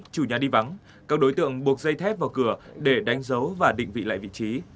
chủ nhà đi vắng các đối tượng buộc dây thép vào cửa để đánh dấu và định vị lại vị trí